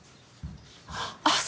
あっ